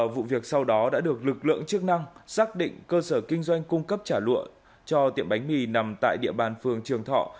vụ việc sau đó đã được lực lượng chức năng xác định cơ sở kinh doanh cung cấp trả lụa cho tiệm bánh mì nằm tại địa bàn phường trường thọ